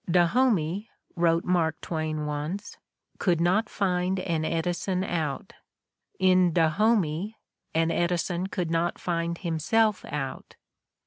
"Dahomey," wrote Mark Twain once, "could not find an Edison out; in Dahomey an Edison could not find himself out.